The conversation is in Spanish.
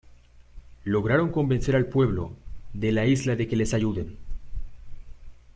Lograron convencer al pueblo de la isla de que les ayuden.